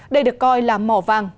đây được coi là mỏ vàng